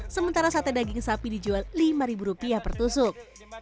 sementara sate daging sapi dijual lima ribu rupiah per tusuk